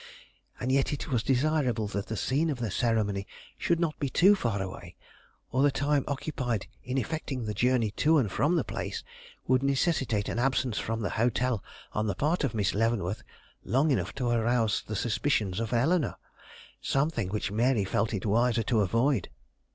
And yet it was desirable that the scene of the ceremony should not be too far away, or the time occupied in effecting the journey to and from the place would necessitate an absence from the hotel on the part of Miss Leavenworth long enough to arouse the suspicions of Eleanore; something which Mary felt it wiser to avoid.